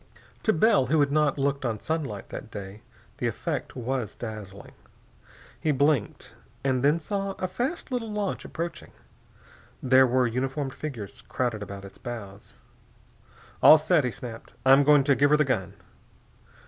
To Bell, who had not looked on sunlight that day, the effect was dazzling. He blinked, and then saw a fast little launch approaching. There were uniformed figures crowded about its bows. "All set!" he snapped. "I'm going to give her the gun."